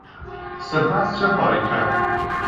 سپس چه خواهی کرد؟